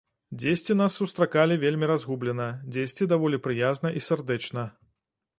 Дзесьці нас сустракалі вельмі разгублена, дзесьці даволі прыязна і сардэчна.